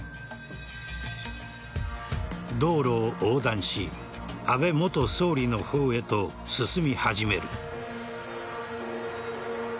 道路を横断し安倍元総理の方へと進み始める。